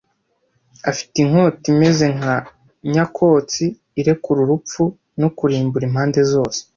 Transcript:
afite inkota imeze nka nyakotsi irekura urupfu no kurimbura impande zose